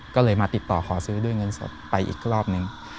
ก็เลยมาติดต่อขอซื้อด้วยเงินสดไปอีกรอบนึง